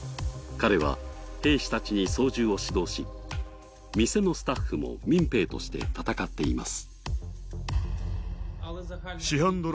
彼は兵士たちに操縦を指導し、店のスタッフも民兵として戦っています。